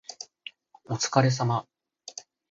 お疲れ様